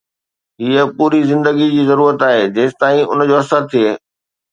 ھيءَ پوري زندگي جي ضرورت آھي جيستائين ان جو اثر ٿئي